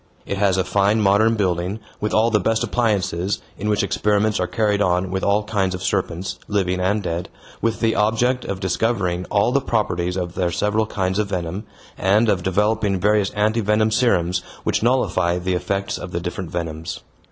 It has a fine modern building, with all the best appliances, in which experiments are carried on with all kinds of serpents, living and dead, with the object of discovering all the properties of their several kinds of venom, and of developing various anti venom serums which nullify the effects of the different venoms.